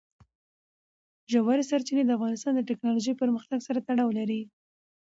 ژورې سرچینې د افغانستان د تکنالوژۍ پرمختګ سره تړاو لري.